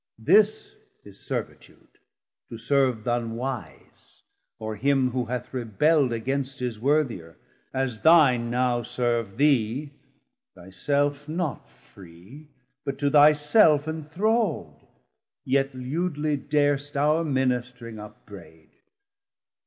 This is servitude, To serve th' unwise, or him who hath rebelld Against his worthier, as thine now serve thee, 180 Thy self not free, but to thy self enthrall'd; Yet leudly dar'st our ministring upbraid.